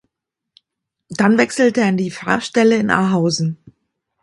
Dann wechselte er in die Pfarrstelle in Ahausen.